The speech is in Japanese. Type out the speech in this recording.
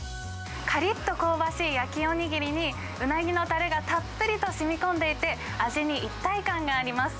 かりっと香ばしい焼きお握りに、うなぎのたれがたっぷりとしみこんでいて、味に一体感があります。